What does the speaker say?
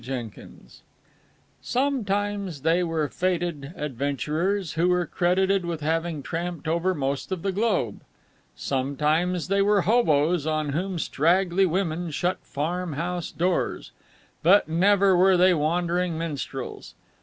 CHAPTER XIV Sometimes they were fêted adventurers who were credited with having tramped over most of the globe. Sometimes they were hoboes on whom straggly women shut farm house doors. But never were they wandering minstrels.